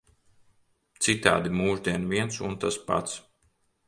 Citādi mūždien viens un tas pats.